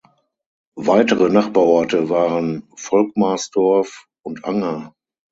Weitere Nachbarorte waren Volkmarsdorf und Anger.